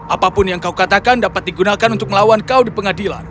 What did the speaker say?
apapun yang kau katakan dapat digunakan untuk melawan kau di pengadilan